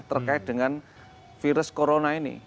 terkait dengan virus corona ini